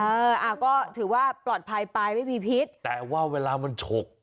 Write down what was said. เอออ่าก็ถือว่าปลอดภัยไปไม่มีพิษแต่ว่าเวลามันฉก